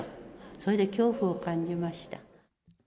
それで恐怖を感じました。